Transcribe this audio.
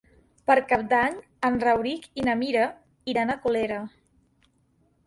Per Cap d'Any en Rauric i na Mira iran a Colera.